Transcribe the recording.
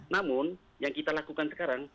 namun yang kita lakukan sekarang